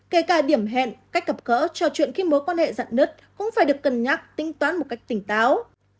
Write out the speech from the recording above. kể cả điểm hẹn cách gặp gỡ trò chuyện khi mối quan hệ dặn nứt cũng phải được cân nhắc tính toán một cách tỉnh táo